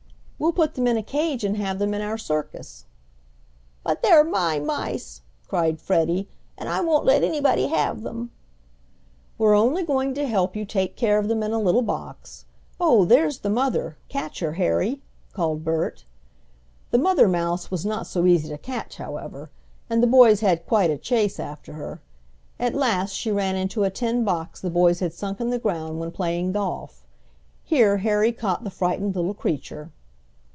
"We'll put them in a cage and have them in our circus." "But they're my mice," cried Freddie, "and I won't let anybody have them!" "We're only going to help you take care of them in a little box. Oh, there's the mother catch her, Harry," called Bert. The mother mouse was not so easy to catch, however, and the boys had quite a chase after her. At last she ran into a tin box the boys had sunk in the ground when playing golf. Here Harry caught the frightened little creature.